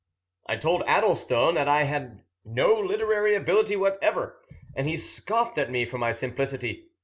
"I told Addlestone that I had no literary ability whatever, and he scoffed at me for my simplicity.